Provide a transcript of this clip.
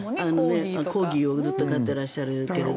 コーギーをずっと飼っていらっしゃるけど。